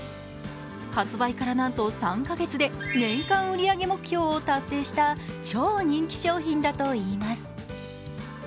発売からなんと３カ月で年間売り上げ目標を達成した超人気商品だといいます。